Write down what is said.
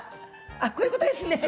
こういうことですね。